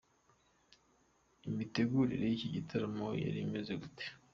Imitegurire y’iki gitaramo yari imeze gute?.